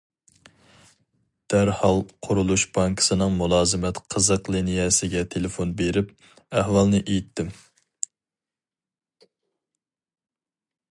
دەرھال قۇرۇلۇش بانكىسىنىڭ مۇلازىمەت قىزىق لىنىيەسىگە تېلېفون بېرىپ، ئەھۋالنى ئېيتتىم.